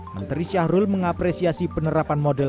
menteri syahrul mengapresiasi penerapan model